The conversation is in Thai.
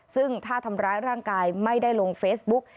ซึ่งถ้าทำร้ายร่างกายไม่ได้ลงเฟซบุ๊ก